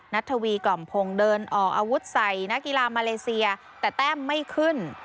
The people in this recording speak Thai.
ทวีกล่อมพงศ์เดินออกอาวุธใส่นักกีฬามาเลเซียแต่แต้มไม่ขึ้น